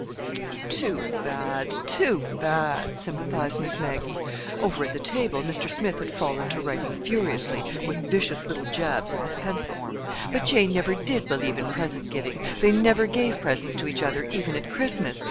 "Too bad—too bad!" sympathized Miss Maggie. (Over at the table Mr. Smith had fallen to writing furiously, with vicious little jabs of his pencil.) "But Jane never did believe in present giving. They never gave presents to each other even at Christmas.